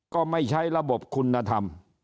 ก็ไม่ใช้ระบบคุณธรรม